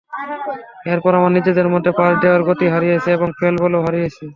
এরপর আমরা নিজেদের মধ্যে পাস দেওয়ায় গতি হারিয়েছি এবং ফলে বলও হারিয়েছি।